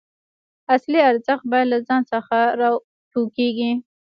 اصلي ارزښت باید له ځان څخه راټوکېږي.